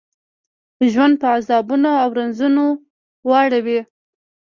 ژوند په عذابونو او رنځونو واړوي.